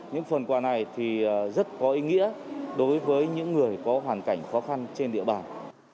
những phần quà này thì rất có ý nghĩa đối với những người có hoàn cảnh khó khăn trên địa bàn